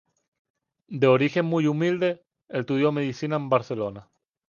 De origen muy humilde, estudió Medicina en Barcelona.